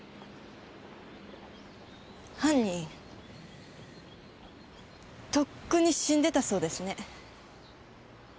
犯人とっくに死んでたそうですね。